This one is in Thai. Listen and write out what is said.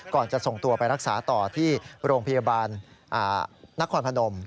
จะส่งตัวไปรักษาต่อที่โรงพยาบาลนครพนม